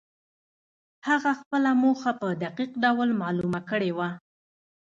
هغه خپله موخه په دقيق ډول معلومه کړې وه.